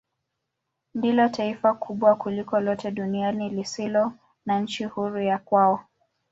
Ndilo taifa kubwa kuliko lote duniani lisilo na nchi huru ya kwao.